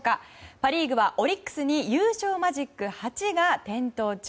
パ・リーグはオリックスに優勝マジック８が点灯中。